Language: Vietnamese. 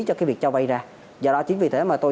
cho cái việc cho vay ra do đó chính vì thế mà tôi